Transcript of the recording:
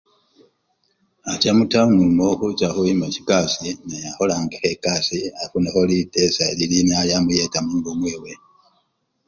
Bacha mutawuni omwo khucha khuyima chikasii naye akholangekho ekassi afunekho lipesa lilinyala lyamuyeta mungo mwewe.